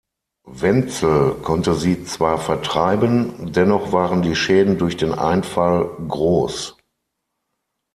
Wenzel konnte sie zwar vertreiben, dennoch waren die Schäden durch den Einfall groß.